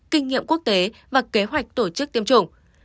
kinh nghiệm quốc tế và kế hoạch tổ chức tiêm chủng